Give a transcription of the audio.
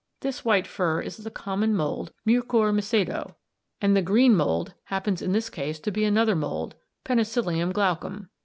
This white fur is the common mould, Mucor Mucedo (1, Fig. 22), and the green mould happens in this case to be another mould, Penicillium glaucum (3, Fig.